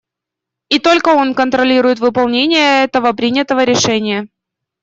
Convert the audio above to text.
И только он контролирует выполнение этого принятого решения.